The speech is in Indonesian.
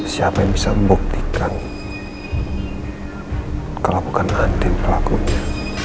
siapa yang bisa membuktikan kalau bukan hadir pelakunya